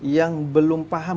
yang belum paham